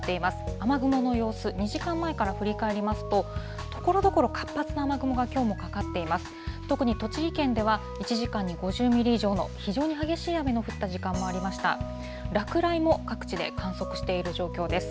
雨雲の様子、２時間前から振り返りますと、ところどころ活発な雨雲がきょうもかかっています。